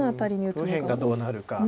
右辺がどうなるか。